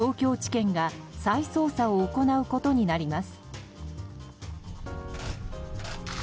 今後、東京地検が再捜査を行うことになります。